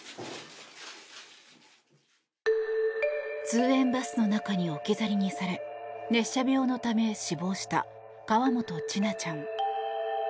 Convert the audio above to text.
通園バスの中に置き去りにされ熱射病のため死亡した河本千奈ちゃん。